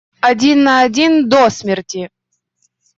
Один на один, до смерти!